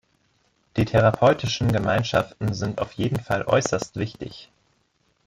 Die therapeutischen Gemeinschaften sind auf jeden Fall äußerst wichtig.